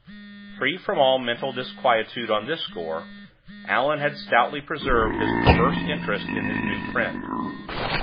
Free from all mental disquietude on this score, Allan had stoutly preserved his perverse interest in his new friend.